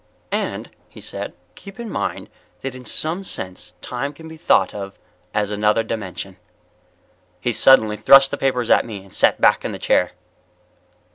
"And," he said, "keep in mind that in some sense time can be thought of as another dimension." He suddenly thrust the papers at me and sat back in the chair.